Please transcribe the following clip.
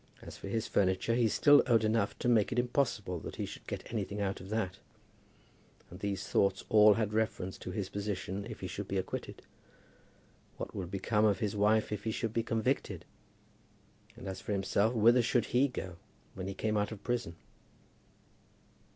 As for his furniture, he still owed enough to make it impossible that he should get anything out of that. And these thoughts all had reference to his position if he should be acquitted. What would become of his wife if he should be convicted? And as for himself, whither should he go when he came out of prison?